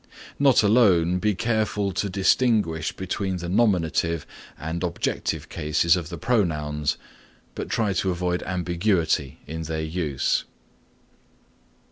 (9) Not alone be careful to distinguish between the nominative and objective cases of the pronouns, but try to avoid ambiguity in their use.